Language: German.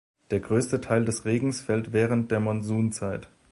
Der größte Teil des Regens fällt während der Monsunzeit.